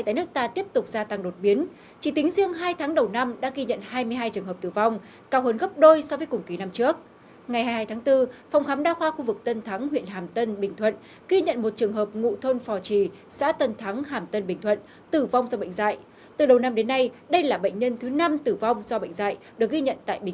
từ đầu năm đến nay đây là bệnh nhân thứ năm tử vong do bệnh dạy được ghi nhận tại bình thuận